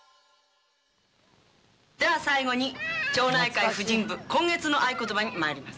では最後に町内会婦人部今月の合言葉に参ります。